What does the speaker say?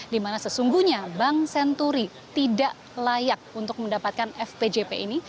di mana sesungguhnya bank senturi tidak layak untuk mendapatkan fpjp ini